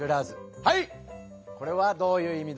はいこれはどういう意味だ？